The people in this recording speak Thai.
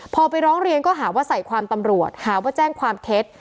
พอไปร้องเรียนก็หาว่าใส่ความตำรวจหาว่าแจ้งความเท็จ